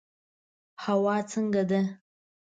هوا څنګه ده؟